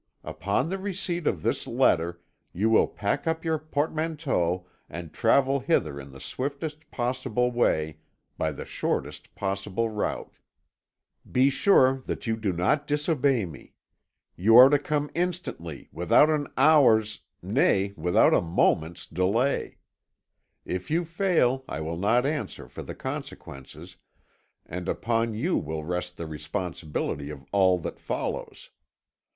Upon the receipt of this letter you will pack up your portmanteau, and travel hither in the swiftest possible way, by the shortest possible route. Be sure that you do not disobey me. You are to come instantly, without an hour's nay, without a moment's delay. If you fail I will not answer for the consequences, and upon you will rest the responsibility of all that follows.